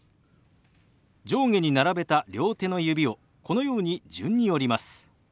上下に並べた両手の指をこのように順に折ります。